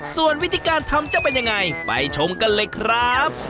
ส่วนวิธีการทำจะเป็นยังไงไปชมกันเลยครับ